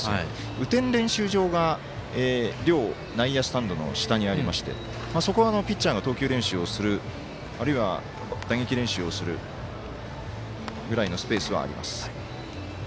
雨天練習場が、両内野スタンドの下にありまして、そこはピッチャーが投球練習をするあるいは、打撃練習をするぐらいのスペースはあります。